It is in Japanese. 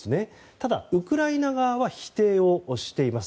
ただ、ウクライナ側は否定をしています。